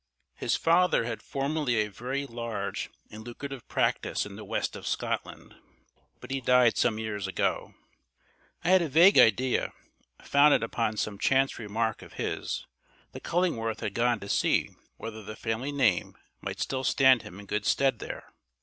His father had formerly a very large and lucrative practice in the West of Scotland, but he died some years ago. I had a vague idea, founded upon some chance remark of his, that Cullingworth had gone to see whether the family name might still stand him in good stead there.